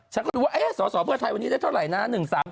ฉันก็ดูว่าสอสอเพื่อไทยวันนี้ได้เท่าไหร่นะ